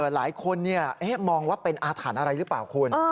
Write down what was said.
หลายคนมองว่าเป็นอาถรรพ์อะไรหรือเปล่าคุณ